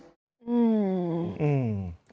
อืม